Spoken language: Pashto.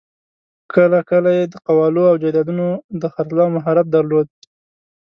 کله کله یې د قوالو او جایدادونو د خرڅلاوو مهارت درلود.